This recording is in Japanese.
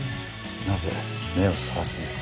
なぜ目をそらすんです？